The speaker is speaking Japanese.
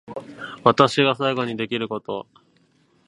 私が最後にできること